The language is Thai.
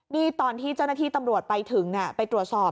นี่ตอนที่เจ้าหน้าที่ตำรวจไปถึงไปตรวจสอบ